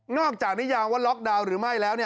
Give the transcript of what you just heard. จากนิยามว่าล็อกดาวน์หรือไม่แล้ว